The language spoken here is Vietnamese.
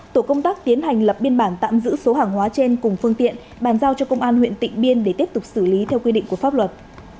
tổ công tác tiến hành lập biên bản tạm giữ số hàng hóa trên cùng phương tiện bàn giao cho công an huyện tịnh biên để tiếp tục xử lý theo quy định của pháp luật